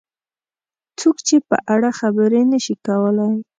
څوک یې په اړه خبرې نه شي کولای.